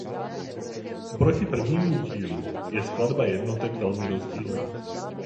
Oproti prvnímu dílu je skladba jednotek velmi rozdílná.